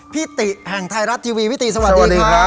ติแห่งไทยรัฐทีวีพี่ติสวัสดีครับ